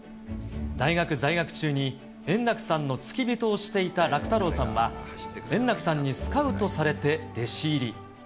大学在学中に圓楽さんの付き人をしていた楽太郎さんは、圓楽さんにスカウトされて弟子入り。